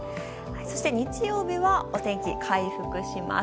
日曜日はお天気、回復します。